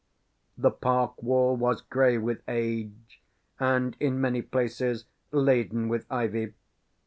The park wall was grey with age, and in many places laden with ivy.